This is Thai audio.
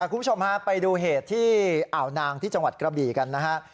คุณผู้ชมฮะไปดูเหตุที่อ่าวนางที่จังหวัดกระบี่กันนะฮะ